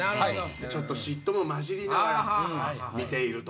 ちょっと嫉妬も交じりながら見ていると。